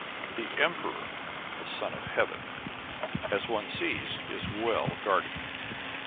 The emperor, the Son of Heaven, as one sees, is well guarded.